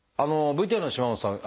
ＶＴＲの島本さん